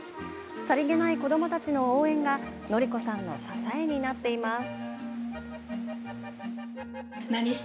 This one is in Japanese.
さりげない子どもたちの応援が則子さんの支えになっています。